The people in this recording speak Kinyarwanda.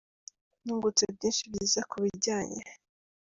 Nungutse byinshi byiza ku bijyanye.